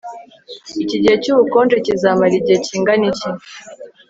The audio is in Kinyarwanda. Iki gihe cyubukonje kizamara igihe kingana iki